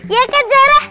ya kan zara